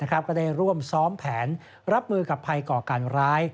ก็ได้ร่วมซ้อมแผนรับมือกับภัยก่อการร้าย